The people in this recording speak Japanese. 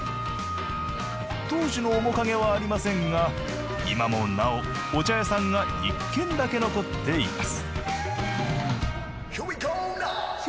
当時の面影はありませんが今もなおお茶屋さんが１軒だけ残っています。